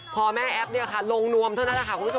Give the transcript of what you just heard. พอแม่แอ๊บลงนวมเท่านั้นแหละค่ะคุณผู้ชม